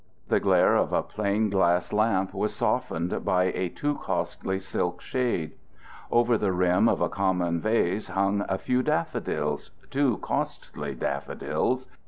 The glare of a plain glass lamp was softened by a too costly silk shade. Over the rim of a common vase hung a few daffodils, too costly daffodils.